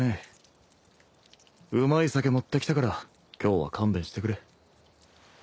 うまい酒持ってきたから今日は勘弁してくれ。